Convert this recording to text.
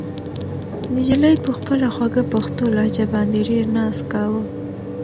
نجلۍ په خپله خوږه پښتو لهجه باندې ډېر ناز کاوه.